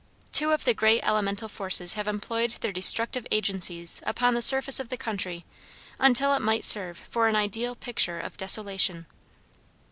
Two of the great elemental forces have employed their destructive agencies upon the surface of the country until it might serve for an ideal picture of desolation.